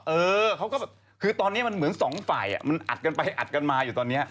เออเขาก็แบบคือตอนนี้มันเหมือนสองฝ่ายมันอัดกันไปอัดกันมาอยู่ตอนนี้